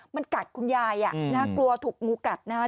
มันกัดคุณยายกลัวถูกงูกัดนะครับ